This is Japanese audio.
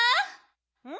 うん？